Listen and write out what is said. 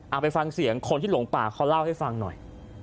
เอาไปฟังเสียงคนที่หลงป่าเขาเล่าให้ฟังหน่อย